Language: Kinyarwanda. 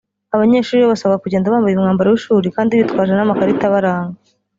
Abanyeshuri bo basabwa kugenda bambaye umwambaro w’ishuri kandi bitwaje n’amakarita abaranga